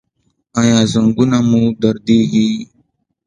ایا زنګونونه مو دردیږي؟